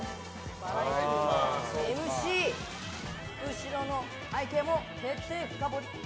後ろの背景も徹底深掘り。